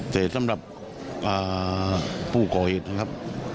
แต่สำหรับผู้ก่อเหตุนะครับ